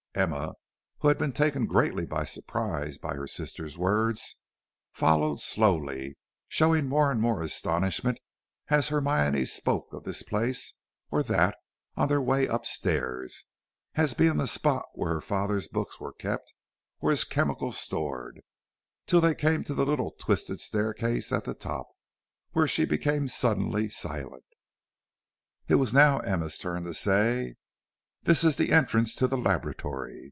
Emma, who had been taken greatly by surprise by her sister's words, followed slowly, showing more and more astonishment as Hermione spoke of this place, or that, on their way up stairs, as being the spot where her father's books were kept, or his chemicals stored, till they came to the little twisted staircase at the top, when she became suddenly silent. It was now Emma's turn to say: "This is the entrance to the laboratory.